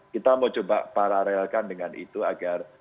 kita mau coba paralelkan dengan itu agar